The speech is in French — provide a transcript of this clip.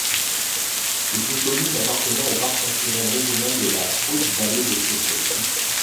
C'est une commune appartenant au parc naturel régional de la haute vallée de Chevreuse.